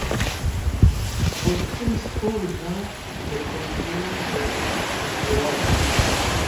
Postulis urĝa rekonstruo de la konstruaĵo.